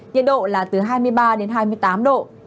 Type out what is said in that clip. nhiệt độ là từ hai mươi ba đến hai mươi tám độ